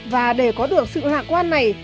và để có được sự lạc quan này